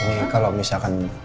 ini kalau misalkan